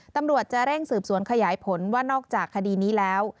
ตำรวจจะเร่งสืบสวนขยายผลว่านอกจากคดีนี้แล้ว